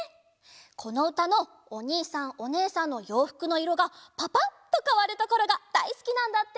このうたのおにいさんおねえさんのようふくのいろがパパッとかわるところがだいすきなんだって。